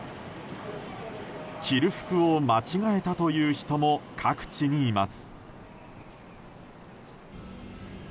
着る服を間違えたという人も各地にいます。